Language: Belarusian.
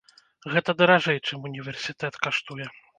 Гэта даражэй, чым універсітэт каштуе.